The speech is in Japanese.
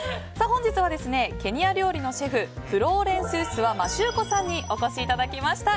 本日はケニア料理のシェフフローレンス・スワ・マシューコさんにお越しいただきました。